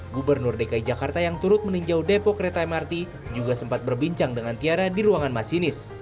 gubernur dki jakarta yang turut meninjau depo kereta mrt juga sempat berbincang dengan tiara di ruangan masinis